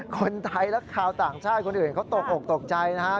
คนไทยและชาวต่างชาติคนอื่นเขาตกออกตกใจนะครับ